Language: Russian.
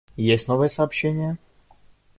Есть новые сообщения?